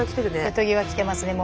瀬戸際来てますね